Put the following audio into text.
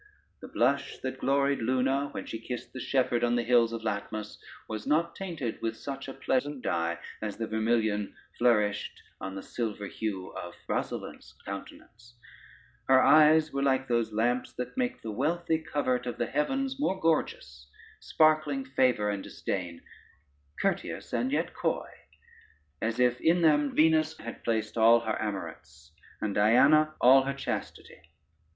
The blush that gloried Luna, when she kissed the shepherd on the hills of Latmos, was not tainted with such a pleasant dye as the vermilion flourished on the silver hue of Rosalynde's countenance: her eyes were like those lamps that make the wealthy covert of the heavens more gorgeous, sparkling favor and disdain, courteous and yet coy, as if in them Venus had placed all her amorets, and Diana all her chastity.